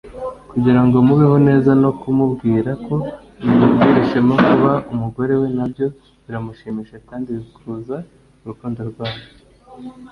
kugira ngo mubeho neza no kumubwira ko bigutera ishema kuba umugore we nabyo biramushimisha kandi bikuza urukundo rwanyu